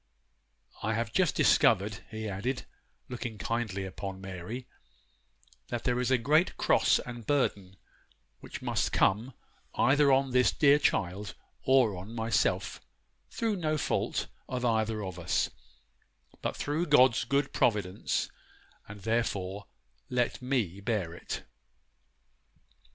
I have just discovered,' he added, looking kindly upon Mary, 'that there is a great cross and burden which must come, either on this dear child or on myself, through no fault of either of us, but through God's good providence; and, therefore, let me bear it.